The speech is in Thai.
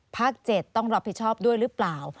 ภาค๗ต้องรับผิดชอบด้วยหรือเปล่า